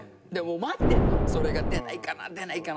待ってんのそれが出ないかな出ないかなって。